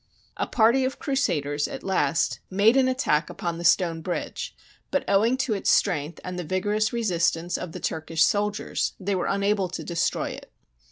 A party of Crusaders at last made an attack SIEGE OF ANTIOCH upon the stone bridge, but owing to its strength and the vigorous resistance of the Turkish sol diers, they were unable to destroy it.